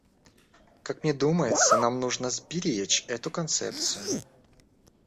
Как мне думается, нам нужно сберечь эту концепцию.